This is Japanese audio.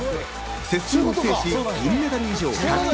接戦を制し、銀メダル以上確定。